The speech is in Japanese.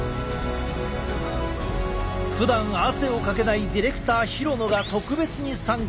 ふだん汗をかけないディレクター廣野が特別に参加！